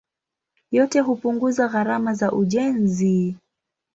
Yote hupunguza gharama za ujenzi.